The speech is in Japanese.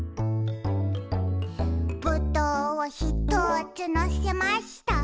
「ぶどうをひとつのせました」